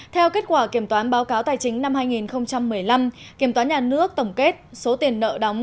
theo kết quả kiểm toán báo cáo tài chính năm hai nghìn một mươi năm kiểm toán nhà nước tổng kết số tiền nợ đóng